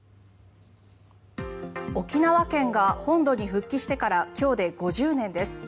沖縄県が本土に復帰してから今日で５０年です。